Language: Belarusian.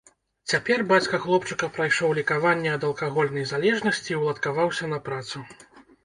Цяпер бацька хлопчыка прайшоў лекаванне ад алкагольнай залежнасці і ўладкаваўся на працу.